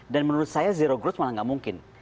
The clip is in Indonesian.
dan menurut saya zero growth malah gak mungkin